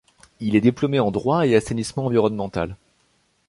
Il est diplômé en droit et assainissement environnemental.